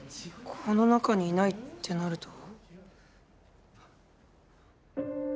この中にいないってなると。